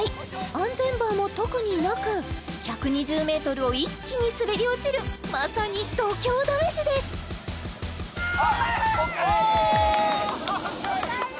安全バーも特になく１２０ｍを一気に滑り落ちるまさに度胸試しですおかえり！